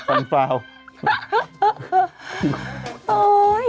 อะไร